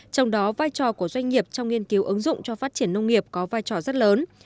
trong đó vai trò của doanh nghiệp trong nghiên cứu ứng dụng cho phát triển nông nghiệp có vai trò rất lớn